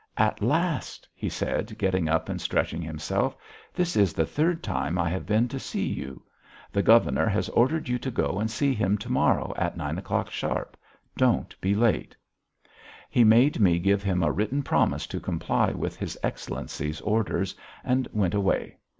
"At last!" he said getting up and stretching himself. "This is the third time I have been to see you. The governor has ordered you to go and see him to morrow at nine o'clock sharp. Don't be late." He made me give him a written promise to comply with his Excellency's orders and went away.